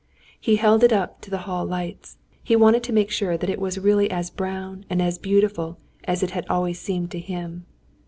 He held it up to the hall lights. He wanted to make sure that it was really as brown and as beautiful as it had always seemed to him.